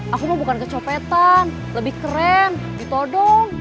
aku mau bukan kecopetan lebih keren gitu dong